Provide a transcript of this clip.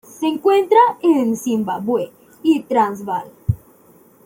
Se encuentra en Zimbabue y Transvaal.